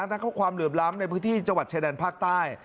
และก็ความเหลือบล้ำในพื้นที่จังหวัดเฉยแดนภาคใต้